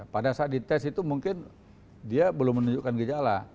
pada saat dites itu mungkin dia belum menunjukkan gejala